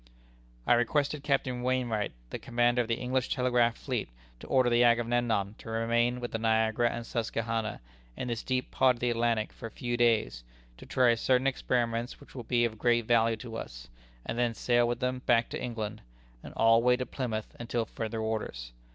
"I requested Captain Wainwright, the commander of the English Telegraph Fleet, to order the Agamemnon to remain with the Niagara and Susquehanna, in this deep part of the Atlantic for a few days, to try certain experiments which will be of great value to us, and then sail with them back to England, and all wait at Plymouth until further orders.